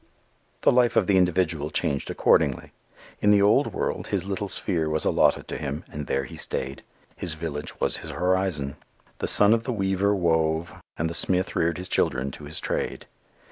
The life of the individual changed accordingly. In the old world his little sphere was allotted to him and there he stayed. His village was his horizon. The son of the weaver wove and the smith reared his children to his trade.